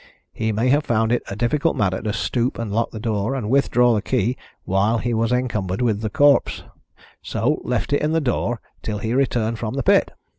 He may have found it a difficult matter to stoop and lock the door and withdraw the key while he was encumbered with the corpse, so left it in the door till he returned from the pit.